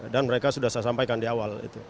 dan mereka sudah saya sampaikan di awal